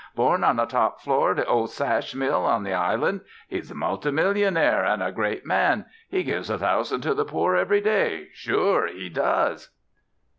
Born on the top floor o' the ol' sash mill on the island. He's a multi millionaire an' a great man. He gives a thousand to the poor every day. Sure, he does!'"